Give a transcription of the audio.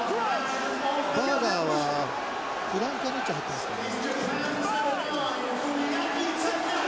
バーガーはフランカーの位置入ってますかね。